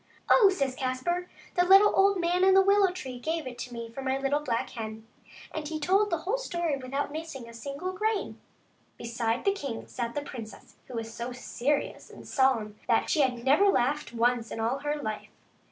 " Oh !" says Caspar, " the little old man in the willow tree gave it to me for my little black hen ;" and then he told the whole story without missing a single grain. Beside the king sat the princess, who was so serious and solemn that she had never laughed once in all her life.